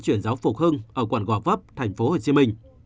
chuyển giáo phục hưng ở quảng gò vấp tp hcm